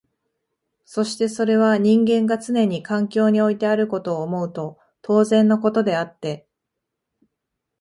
そしてそれは人間がつねに環境においてあることを思うと当然のことであって、